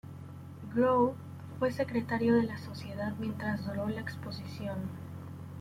Grove fue secretario de la sociedad mientras duró la exposición.